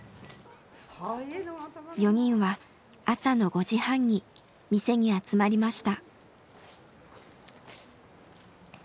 ４人は朝の５時半に店に集まりました。